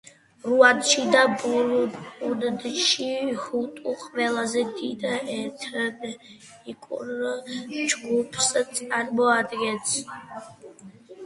რუანდაში და ბურუნდიში ჰუტუ ყველაზე დიდ ეთნიკურ ჯგუფს წარმოადგენს.